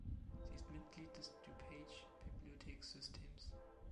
Sie ist Mitglied des DuPage Bibliotheksystems.